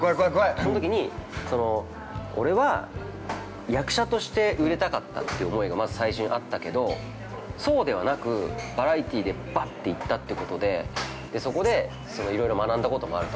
◆そのときに、俺は役者として売れたかったという思いがまず最初にあったけどそうではなくバラエティーでばって行ったってことで、そこで、いろいろ学んだこともあると。